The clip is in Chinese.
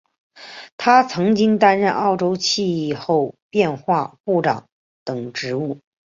他曾经担任澳洲气候变化部长等职务。